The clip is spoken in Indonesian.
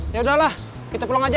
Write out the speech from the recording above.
ya udahlah kita pulang aja